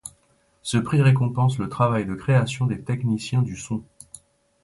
Ce prix récompense le travail de création des techniciens du son.